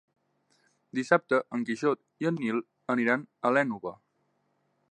Dissabte en Quixot i en Nil aniran a l'Énova.